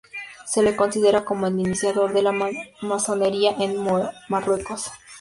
Se le considera como el iniciador de la masonería en Marruecos.